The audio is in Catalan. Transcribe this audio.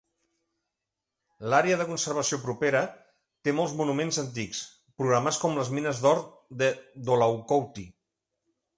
L"àrea de conservació propera té molts monuments antics programats com les mines d"or de Dolaucothi.